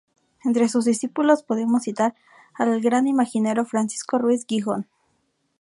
Entre sus discípulos podemos citar al gran imaginero Francisco Ruiz Gijón.